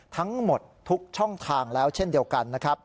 ทั้งหมดทุกช่องทางแล้วเช่นเดียวกันนะครับ